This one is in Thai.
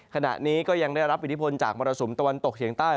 ขณะนี้ก็ยังได้รับอิทธิพลจากมรสุมตะวันตกเฉียงใต้